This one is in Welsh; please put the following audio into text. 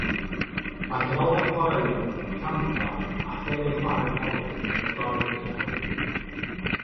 Mae canolfan chwaraeon, campfa, a chaeau chwarae'r coleg yn agored i'r cyhoedd.